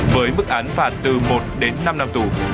với mức án phạt từ một đến năm năm tù